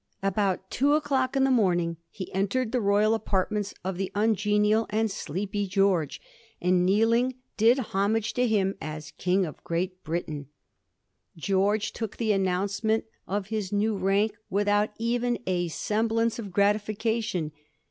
About two o'clock in the morning he entered the royal apartments of the ungenial and sleepy George, and, kneeling, did homage to him as King of Great Britain. George took the announce ment of his new rank without even a semblance of gratification.